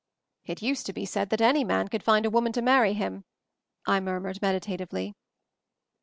"It used to be said that any man could find a woman to marry him," I murmured, meditatively.